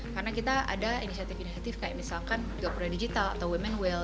karena kita ada inisiatif inisiatif kayak misalkan jogja digital atau women will